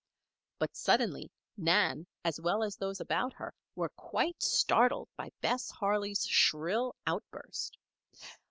But suddenly Nan, as well as those about her, were quite startled by Bess Harley's shrill outburst.